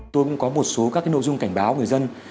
tôi cũng có một số các nội dung cảnh báo người dân